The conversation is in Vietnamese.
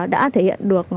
đã thể hiện được